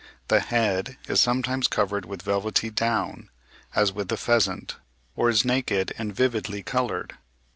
The head is sometimes covered with velvety down, as with the pheasant; or is naked and vividly coloured.